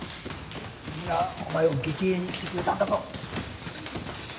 みんなお前を激励に来てくれたんだぞ。